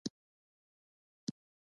پرګلونو او پر بوټو دي، پوښتنه وکړئ !!!